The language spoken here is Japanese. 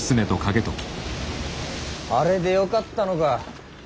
あれでよかったのか。